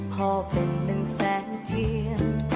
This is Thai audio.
พ่อเป็นเป็นแสงเทียน